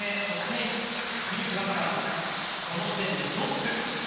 そして樋口新葉この時点でトップ。